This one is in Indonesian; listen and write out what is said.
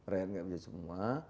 rakyat enggak bisa semua